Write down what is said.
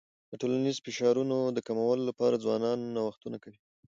د ټولنیزو فشارونو د کمولو لپاره ځوانان نوښتونه کوي.